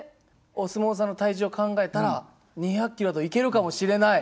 お相撲さんの体重を考えたら２００キロでいけるかもしれない？